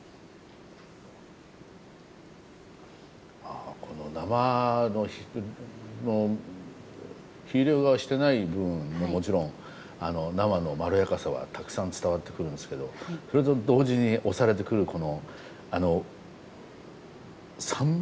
あこの生の火入れをしていない部分のもちろん生のまろやかさはたくさん伝わってくるんですけどそれと同時に押されてくるこの酸味がやっぱりいいですね。